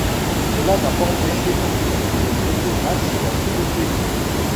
Cela n'a pas empêché des équipes de jouer des matchs dans tout le pays.